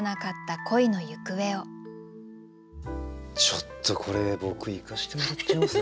ちょっとこれ僕いかしてもらっちゃうぜ。